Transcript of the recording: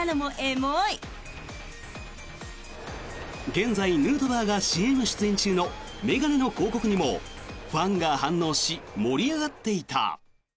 現在、ヌートバーがＣＭ出演中の眼鏡の広告にもファンが反応し盛り上がっていた。